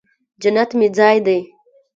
جنت مې ځای دې